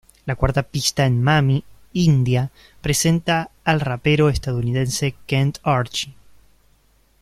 La cuarta pista en "Mami", "India", presenta al rapero estadounidense Kent Archie.